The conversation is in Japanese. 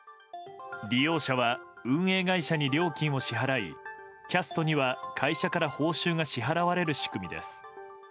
利用者は運営会社に料金を支払いキャストには会社から報酬が支払われる仕組みです。